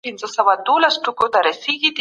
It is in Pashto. تاسو به د نورو په ژوند کي مثبت بدلون راولئ.